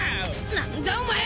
何だお前！